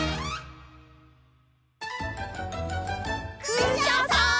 クシャさん！